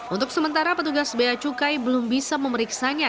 untuk sementara petugas b a cukai belum bisa memeriksanya